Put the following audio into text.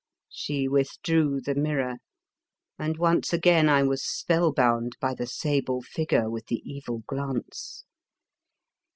She with drew the mirror, and once again I was spellbound by the sable figure with the evil glance.